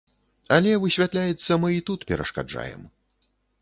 Але, высвятляецца, мы і тут перашкаджаем.